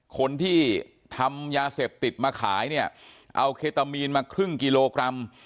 คนที่ทำยาเสพติดมาขายเนี่ยเอาเคตามีนมาครึ่งกิโลกรัม